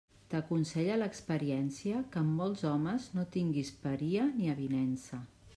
T'aconsella l'experiència que amb molts homes no tinguis paria ni avinença.